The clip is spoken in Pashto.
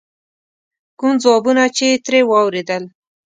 کوم ځوابونه چې یې ترې واورېدل.